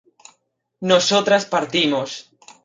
nosotras partimos